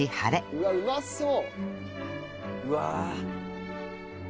うわうまそう！